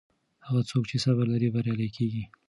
هغه څوک چې صبر لري بریالی کیږي.